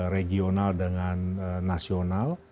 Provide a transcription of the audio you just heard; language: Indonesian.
regional dengan nasional